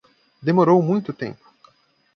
Demorou muito tempo